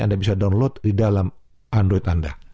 anda bisa download di dalam android anda